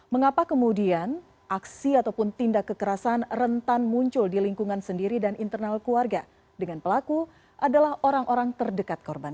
mengapa kemudian aksi ataupun tindak kekerasan rentan muncul di lingkungan sendiri dan internal keluarga dengan pelaku adalah orang orang terdekat korban